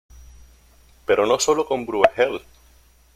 Pero no solo con Brueghel.